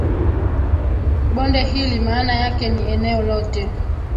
Bonde hili maana yake ni eneo lote